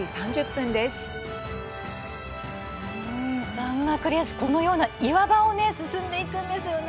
山岳レース、このような岩場を進んでいくんですね。